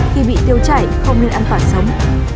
khi bị tiêu chảy không nên ăn tỏi sống